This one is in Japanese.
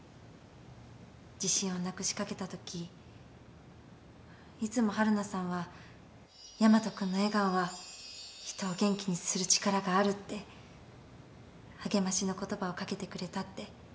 自信をなくしかけたときいつも春菜さんはヤマト君の笑顔は人を元気にする力があるって励ましの言葉を掛けてくれたって。